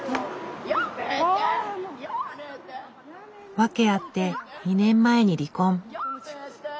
訳あって２年前に離婚。